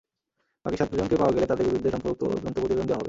বাকি সাতজনকে পাওয়া গেলে তাদের বিরুদ্ধে সম্পূরক তদন্ত প্রতিবেদন দেওয়া হবে।